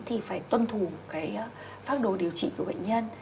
thì phải tuân thù cái phác đồ điều trị của bệnh nhân